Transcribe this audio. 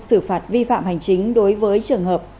xử phạt vi phạm hành chính đối với trường hợp